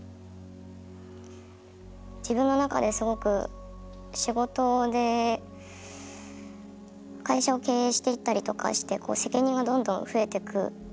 自分の中ですごく仕事で会社を経営していったりとかしてこう責任がどんどん増えてく。